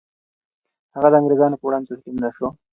هغه د انګریزانو په وړاندې تسلیم نه شو.